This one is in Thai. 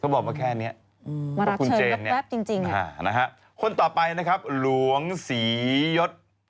เธอบอกว่าแค่เนี้ยอืมมารับเชิญแป๊บแป๊บจริงจริงอ่านะฮะคนต่อไปนะครับหลวงศรียศ